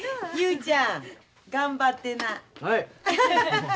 雄ちゃん頑張ってな。